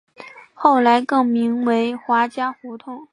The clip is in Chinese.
后来更名为华嘉胡同。